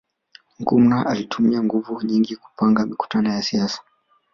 Nkrumah alitumia nguvu nyingi kupanga mikutano ya siasa